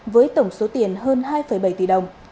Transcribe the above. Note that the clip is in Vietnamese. với tổng số tiền hơn hai bảy triệu đồng